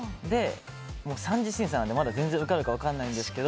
３次審査なので全然受かるか分からないんですけど